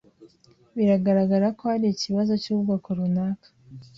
Biragaragara ko hari ikibazo cyubwoko runaka.